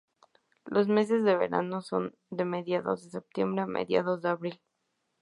Los meses de verano son de mediados de septiembre a mediados de abril.